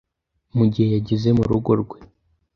mu gihe yageze mu rugo rwe.